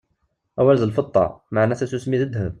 Awal d lfeṭṭa, meɛna tasusmi d ddheb.